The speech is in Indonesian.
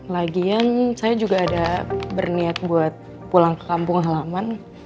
lagian saya juga ada berniat buat pulang ke kampung halaman